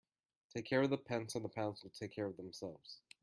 Take care of the pence and the pounds will take care of themselves.